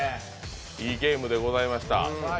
いいゲームでございました。